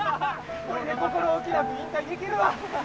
これで心おきなく引退できるわ。